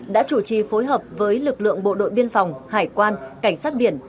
đã chủ trì phối hợp với lực lượng bộ đội biên phòng hải quan cảnh sát biển